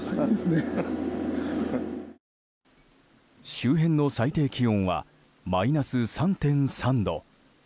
周辺の最低気温はマイナス３．３度。